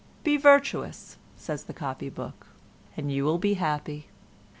"Be virtuous," says the copy book, "and you will be happy."